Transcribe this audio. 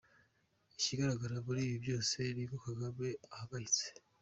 Ikigaragara muri ibi byose ni uko Kagame ahangayitse.